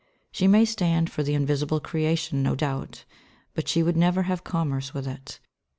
She may stand for the invisible creation no doubt, but she would never have commerce with it.